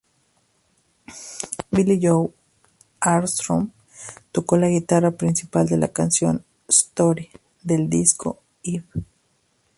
Billie Joe Armstrong tocó la guitarra principal en la canción "Story", del disco "Iv".